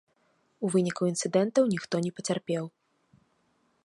У выніку інцыдэнтаў ніхто не пацярпеў.